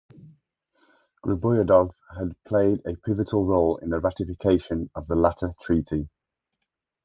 Griboyedov had played a pivotal role in the ratification of the latter treaty.